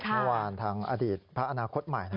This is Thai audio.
เมื่อวานทางอดีตพักอนาคตใหม่